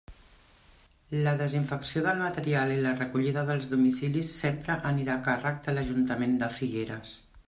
La desinfecció del material i la recollida dels domicilis sempre anirà a càrrec de l'Ajuntament de Figueres.